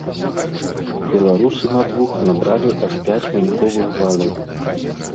Беларусы на двух набралі аж пяць выніковых балаў.